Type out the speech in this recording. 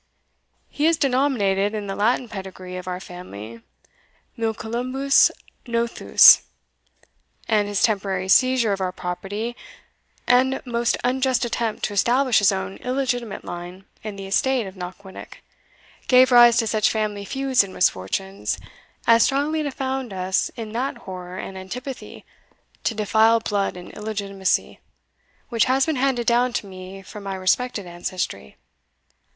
He is denominated, in the Latin pedigree of our family, Milcolumbus Nothus; and his temporary seizure of our property, and most unjust attempt to establish his own illegitimate line in the estate of Knockwinnock, gave rise to such family feuds and misfortunes, as strongly to found us in that horror and antipathy to defiled blood and illegitimacy which has been handed down to me from my respected ancestry."